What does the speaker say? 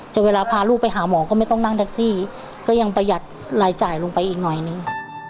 เวลาพาลูกไปหาหมอก็ไม่ต้องนั่งแท็กซี่ก็ยังประหยัดรายจ่ายลงไปอีกหน่อยนึง